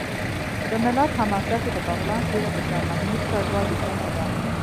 د ملت حماسه کې د بغلان څېره د شاه محمود کډوال لیکنه ده